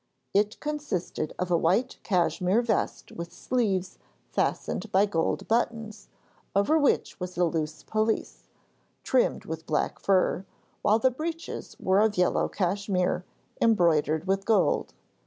It consisted of a white cashmere vest with sleeves fastened by gold buttons, over which was a loose pelisse, trimmed with black fur, while the breeches were of yellow cashmere embroidered with gold.